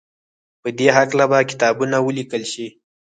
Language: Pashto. په دې هکله به کتابونه وليکل شي.